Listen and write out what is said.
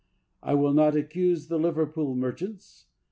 I will not accuse the Liverpool merchants.